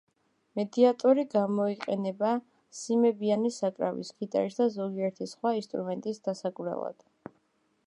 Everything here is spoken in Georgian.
მედიატორი გამოიყენება სიმებიანი საკრავის, გიტარის, და ზოგიერთი სხვა ინსტრუმენტის დასაკვრელად.